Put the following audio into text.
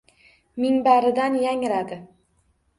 Minbaridan yangradi.